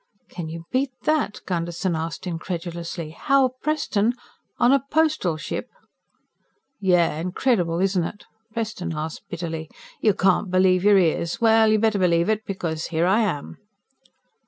"Can you beat that?" Gunderson asked incredulously. "Hal Preston, on a Postal ship." "Yeah. Incredible, isn't it?" Preston asked bitterly. "You can't believe your ears. Well, you better believe it, because here I am."